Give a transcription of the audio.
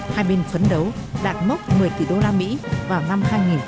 hai bên phấn đấu đạt mốc một mươi tỷ đô la mỹ vào năm hai nghìn một mươi tám